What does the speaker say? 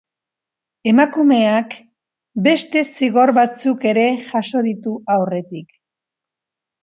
Emakumeak beste zigor batzuk ere jaso ditu aurretik.